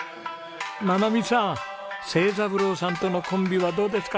ななみさん成三郎さんとのコンビはどうですか？